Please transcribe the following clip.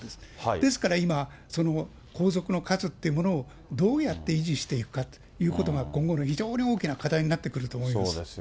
ですから今、皇族の数っていうものをどうやって維持していくかということが今後の非常に大きな課題になってくると思います。